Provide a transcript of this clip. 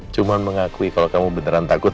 cuma mengakui kalau kamu beneran takut